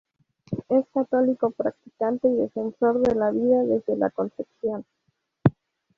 Es católico practicante y defensor de la vida desde la concepción.